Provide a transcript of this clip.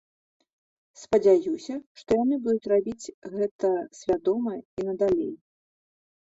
Спадзяюся, што яны будуць рабіць гэта свядома і надалей.